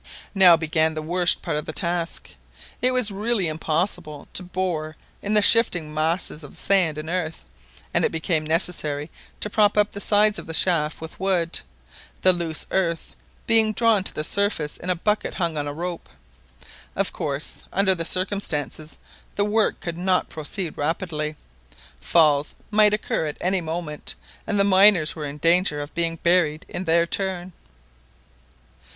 Now began the worst part of the task. It was really impossible to bore in the shifting masses of sand and earth, and it became necessary to prop up the sides of the shaft with wood, the loose earth being drawn to the surface in a bucket hung on a rope. Of course under the circumstances the work could not proceed rapidly, falls might occur at any moment, and the miners were in danger of being buried in their turn.